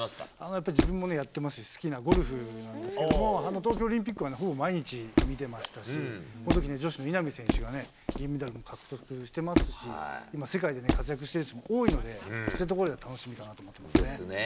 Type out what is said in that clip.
やっぱり自分もね、やってますし、好きなゴルフなんですけども、東京オリンピックはほぼ毎日、見てましたし、このとき、女子の稲見選手が銀メダルを獲得してますし、世界で活躍してる人も多いので、そういうところで楽しみかなと思ってますね。ですね。